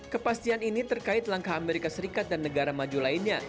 kepastian ini terkait langkah amerika serikat dan negara maju lainnya